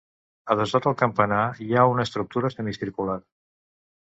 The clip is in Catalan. Adossat al campanar hi ha una estructura semicircular.